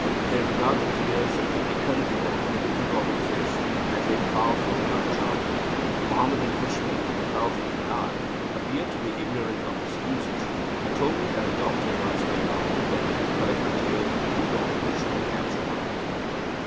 They regard the tears of the ikan dugong (dugong fish) as a powerful love charm. Muhammadan fishermen of the Gulf of Manaar appeared to be ignorant of this usage, but told me that a 'doctor' once went out with them to collect the tears of a dugong, should they capture one."